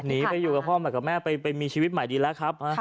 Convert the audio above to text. หนีไปอยู่กับพ่อใหม่กับแม่ไปมีชีวิตใหม่ดีแล้วครับ